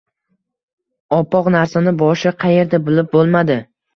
Oppoq narsani... boshi qaerda, bilib bo‘lmadi.